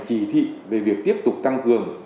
chỉ thị về việc tiếp tục tăng cường